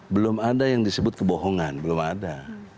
belum ada yang disebut kebohongan belum ada